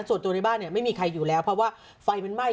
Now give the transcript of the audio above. ส่วนตัวในบ้านเนี่ยไม่มีใครอยู่แล้วเพราะว่าไฟมันไหม้